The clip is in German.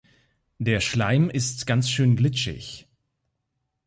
Der Schleim ist ganz schön glitschig.